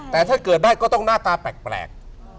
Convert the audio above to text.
แต่ถ้าเกิดได้ก็ต้องหน้าตาแปลก